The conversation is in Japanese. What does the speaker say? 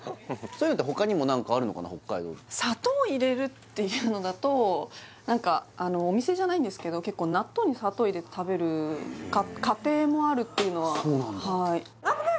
そういうのって北海道って砂糖入れるっていうのだと何かあのお店じゃないんですけど結構納豆に砂糖入れて食べる家庭もあるっていうのはそうなんだ